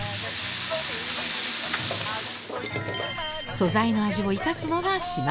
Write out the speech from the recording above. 素材の味を生かすのが島ぞー。